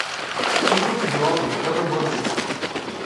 Um grupo de homens joga rugby.